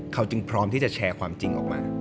เขาจึงพร้อมที่จะแชร์ความจริงออกมา